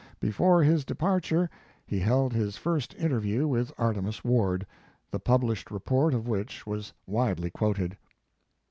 Before his departure 64 Mark Twain he held his first interview with Artemus Ward, the published report of which was widely quoted.